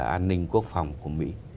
an ninh quốc phòng của mỹ